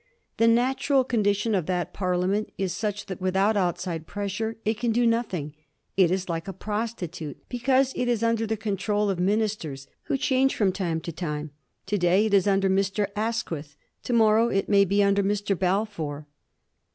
The natural condition of that Parliament is such that, without outside pressure, it can do nothing. It is like a prostitute because it is under the control of ministers who change from time to time. To day it is under Mr. Asquith, to morrow it may be under Mr. Balfour.